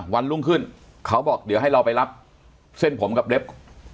วันรุ่งขึ้นเขาบอกเดี๋ยวให้เราไปรับเส้นผมกับเล็บ